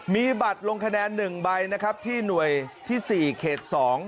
มีบัตรลงคะแนน๑ใบนะครับที่หน่วยที่๔เขต๒